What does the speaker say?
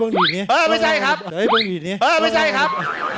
เอ้อไม่ใช่ครับ